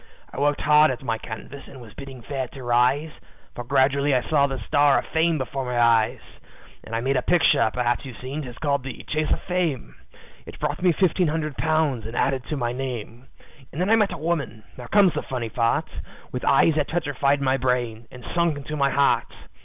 I worked hard at my canvas, and was bidding fair to rise, For gradually I saw the star of fame before my eyes. "I made a picture perhaps you've seen, 'tis called the `Chase of Fame.' It brought me fifteen hundred pounds and added to my name, And then I met a woman now comes the funny part With eyes that petrified my brain, and sunk into my heart.